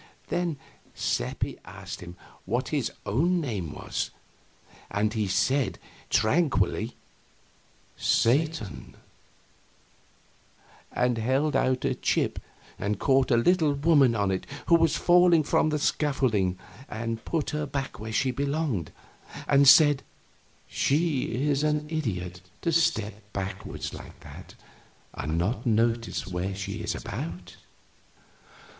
Then Seppi asked him what his own name was, and he said, tranquilly, "Satan," and held out a chip and caught a little woman on it who was falling from the scaffolding and put her back where she belonged, and said, "She is an idiot to step backward like that and not notice what she is about."